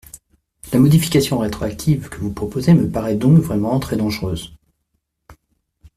La modification rétroactive que vous proposez me paraît donc vraiment très dangereuse.